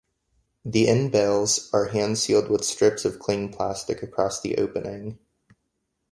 The end-bales are hand-sealed with strips of cling plastic across the opening.